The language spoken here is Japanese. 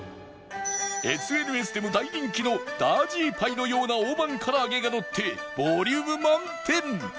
ＳＮＳ でも大人気のダージーパイのような大判からあげがのってボリューム満点